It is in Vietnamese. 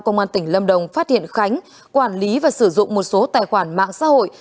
công an tỉnh lâm đồng phát hiện khánh quản lý và sử dụng một số tài khoản mạng xã hội